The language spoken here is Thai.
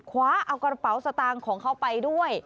คว้าเอากระเป๋าสตางค์ของเขาไปด้วย